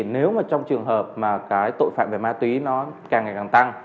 nếu trong trường hợp tội phạm về ma túy càng ngày càng tăng